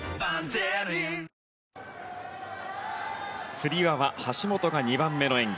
つり輪は橋本が２番目の演技。